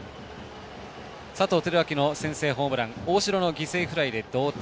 佐藤輝明の先制ホームラン大城の犠牲フライで同点。